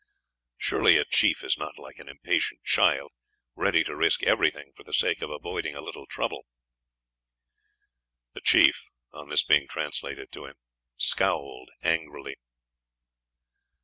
Surely a chief is not like an impatient child, ready to risk everything for the sake of avoiding a little trouble." The chief, on this being translated to him, scowled angrily.